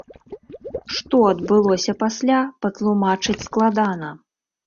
Што адбылося пасля, патлумачыць складана.